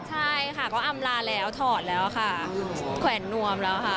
ใช่ค่ะก็อำลาแล้วถอดแล้วค่ะแขวนนวมแล้วค่ะ